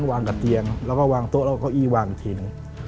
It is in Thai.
วางกับเตียงแล้วก็วางโต๊ะแล้วก็เก้าอี้วางอีกทีหนึ่ง